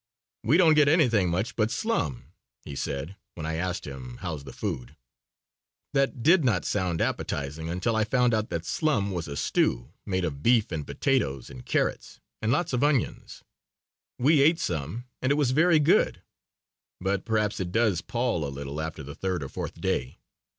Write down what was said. "We don't get anything much but slum," he said, when I asked him, "How's the food?" That did not sound appetizing until I found out that slum was a stew made of beef and potatoes and carrots and lots of onions. We ate some and it was very good, but perhaps it does pall a little after the third or fourth day.